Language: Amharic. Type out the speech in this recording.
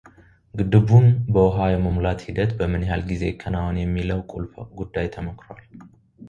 ግድቡን በውሃ የመሙላት ሂደት በምን ያክል ጊዜ ይከናወን የሚለው ቁልፍ ጉዳይ ላይ ተመክሯል